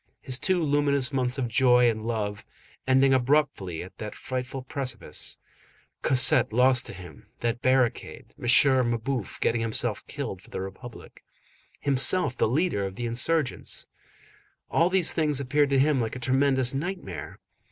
His two luminous months of joy and love, ending abruptly at that frightful precipice, Cosette lost to him, that barricade, M. Mabeuf getting himself killed for the Republic, himself the leader of the insurgents,—all these things appeared to him like a tremendous nightmare.